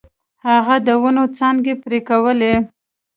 هغه د ونو څانګې پرې کولې.